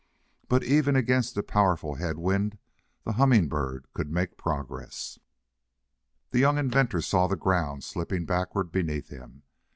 But even against a powerful head wind the Humming Bird could make progress. The young inventor saw the ground slipping backward beneath him.